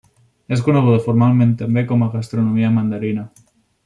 És coneguda formalment també com a gastronomia mandarina.